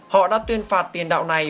họ đã tuyên phạt tiền đạo này